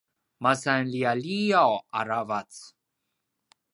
masan lialiaw aravac